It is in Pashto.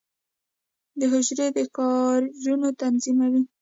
د حجره د کارونو تنظیموي.